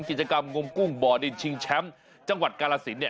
กิจกรรมงมกุ้งบ่อดินชิงแชมป์จังหวัดกาลสินเนี่ย